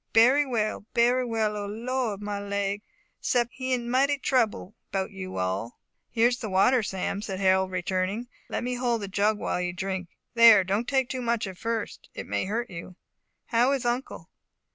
"Berry well berry well O Lord my leg! 'sept he in mighty trouble 'bout you all." "Here is the water, Sam," said Harold returning, "let me hold the jug while you drink. There, don't take too much at first it may hurt you. How is uncle?"